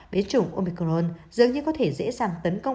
bế chủng omicron dường như có thể dễ dàng tấn công